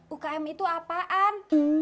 ukm itu apaan